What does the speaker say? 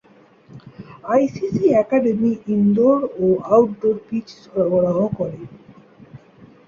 ICC academy indoor ও outdoor pitch সরবরাহ করে।